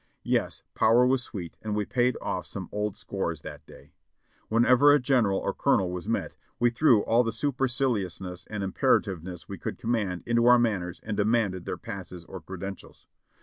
Yes, power was sweet and we paid off some old scores that day. Whenever a general or colonel was met, we threw all the superciliousness and imperativeness we could command into our manners and demanded their passes or credentials.